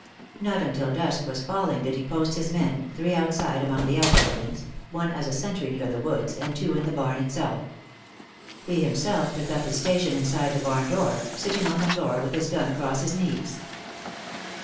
Not until dusk was falling did he post his men, three outside among the outbuildings, one as a sentry near the woods, and two in the barn itself. He himself took up his station inside the barn door, sitting on the floor with his gun across his knees.